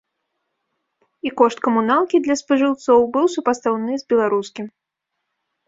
І кошт камуналкі для спажыўцоў быў супастаўны з беларускім.